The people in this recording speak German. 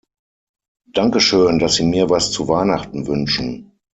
Danke, schön, dass Sie mir was zu Weihnachten wünschen.